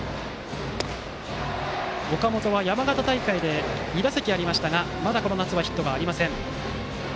岡本は岡山大会で２打席ありましたがまだこの夏はヒットがありません。